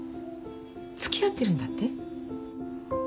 つきあってるんだって？